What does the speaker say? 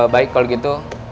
baik kalau gitu